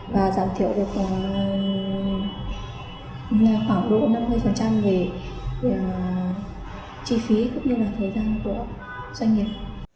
và giảm thiểu được khoảng độ năm mươi về chi phí cũng như là thời gian của doanh nghiệp